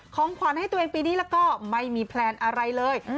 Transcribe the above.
ของขวัญให้ตัวเองปีนี้แล้วก็ไม่มีแพลนอะไรเลย